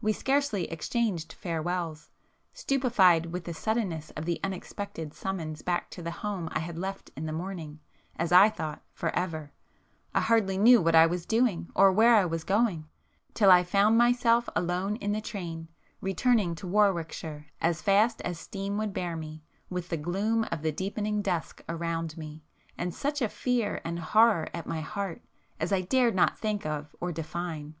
We scarcely exchanged farewells,—stupefied with the suddenness of the unexpected summons back to the home I had left in the morning, as I thought, for ever, I hardly knew what I was doing or where I was going, till I found myself alone in the train, returning to Warwickshire as fast as steam would bear me, with the gloom of the deepening dusk around me, and such a fear and horror at my heart as I dared not think of or define.